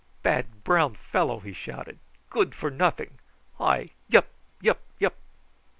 "Bad brown fellow!" he shouted. "Good for nothing! Hi wup wup wup!"